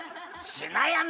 「ちなやみ」！